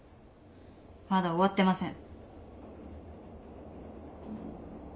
まだ終わってません。